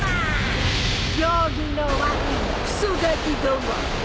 行儀の悪いクソガキども。